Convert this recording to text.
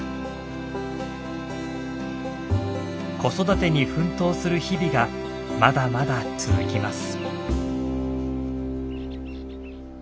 子育てに奮闘する日々がまだまだ続きます。